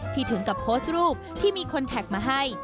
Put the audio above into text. ถึงกับโพสต์รูปที่มีคนแท็กมาให้